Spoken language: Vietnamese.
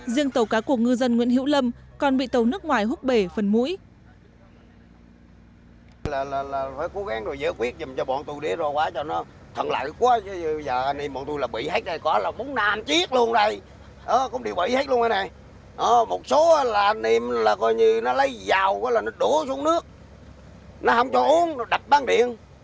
riêng tàu cá của ngư dân nguyễn hiệu lâm còn bị tàu nước ngoài hút bể phần mũi